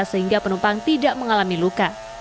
sehingga penumpang tidak mengalami luka